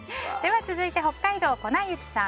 続いて北海道の方。